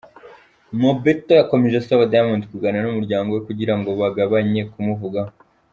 Mobetto yakomeje asaba Diamond kuganira n’umuryango we kugira ngo bagabanye kumuvugaho.